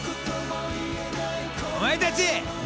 お前たち！